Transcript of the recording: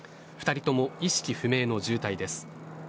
２人とも意識不明の重体です。